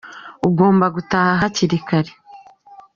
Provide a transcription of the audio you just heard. Ugomba gutaha hakiri kare.